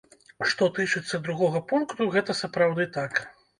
Што тычыцца другога пункту, гэта сапраўды так.